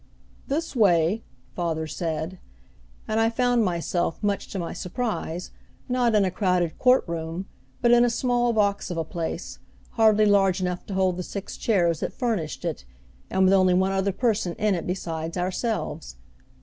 "This way," father said, and I found myself, much to my surprise, not in a crowded court room, but in a small box of a place, hardly large enough to hold the six chairs that furnished it, and with only one other person in it besides ourselves.